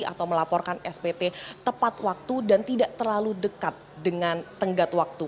atau melaporkan spt tepat waktu dan tidak terlalu dekat dengan tenggat waktu